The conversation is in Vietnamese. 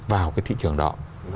vào cái thị trường đó